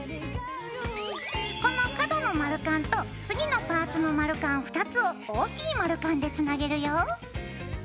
この角の丸カンと次のパーツの丸カン２つを大きい丸カンでつなげるよ。